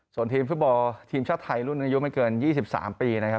ส่วนทีมฟุตบอลทีมชาติไทยรุ่นอายุไม่เกิน๒๓ปีนะครับ